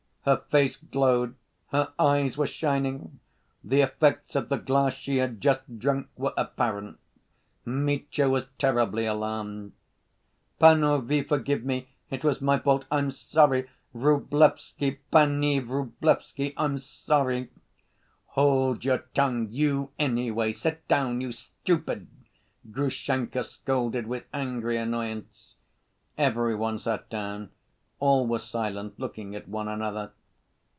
Her face glowed, her eyes were shining. The effects of the glass she had just drunk were apparent. Mitya was terribly alarmed. "Panovie, forgive me! It was my fault, I'm sorry. Vrublevsky, panie Vrublevsky, I'm sorry." "Hold your tongue, you, anyway! Sit down, you stupid!" Grushenka scolded with angry annoyance. Every one sat down, all were silent, looking at one another.